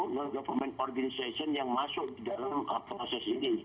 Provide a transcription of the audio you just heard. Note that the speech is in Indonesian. non government organization yang masuk di dalam proses ini